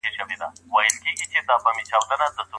هېواد بې ساتني نه پرېښودل کېږي.